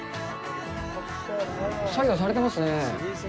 作業されてますね。